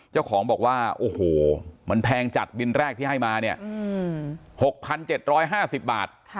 เจ้าของบอกว่าโอ้โหมันแพงจากบินแรกที่ให้มาเนี่ย๖๗๕๐บาท